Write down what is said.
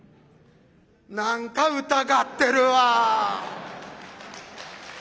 何か疑ってるわ。